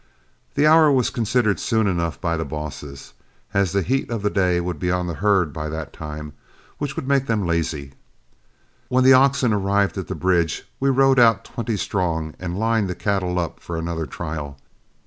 That hour was considered soon enough by the bosses, as the heat of the day would be on the herd by that time, which would make them lazy. When the oxen arrived at the bridge, we rode out twenty strong and lined the cattle up for another trial.